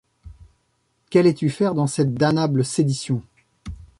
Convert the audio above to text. Qu’allais-tu faire dans cette damnable sédition?